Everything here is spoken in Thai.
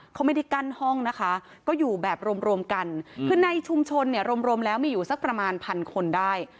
เขาไม่ได้กั้นห้องนะคะก็อยู่แบบรวมรวมกันคือในชุมชนเนี่ยรวมรวมแล้วมีอยู่สักประมาณพันคนได้